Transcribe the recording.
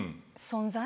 「存在」！